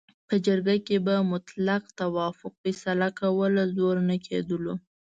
په جرګه کې به مطلق توافق فیصله کوله، زور نه کېدلو.